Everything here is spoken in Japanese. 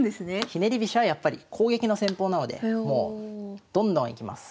ひねり飛車はやっぱり攻撃の戦法なのでもうどんどんいきます。